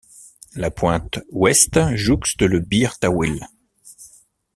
La pointe ouest jouxte le Bir Tawil.